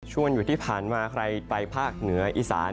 ช่วงวันอยู่ที่ผ่านมาใครไปภาคเหนืออิสาน